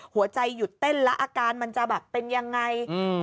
หัวใจหยุดเต้นแล้วอาการมันจะแบบเป็นยังไง